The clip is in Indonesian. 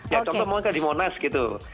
ya contoh mongka di monas gitu